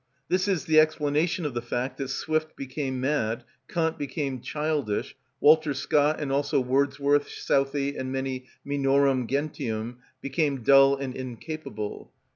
This is the explanation of the fact that Swift became mad, Kant became childish, Walter Scott, and also Wordsworth, Southey, and many minorum gentium, became dull and incapable.